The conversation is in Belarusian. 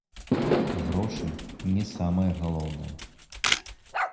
Грошы не самае галоўнае.